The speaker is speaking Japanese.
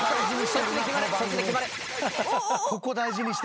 ここ大事にしてるな